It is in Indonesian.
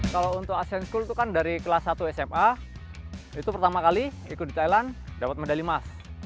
kalau untuk asean school itu kan dari kelas satu sma itu pertama kali ikut di thailand dapat medali emas